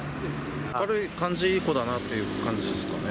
明るい感じいい子だなという感じですかね。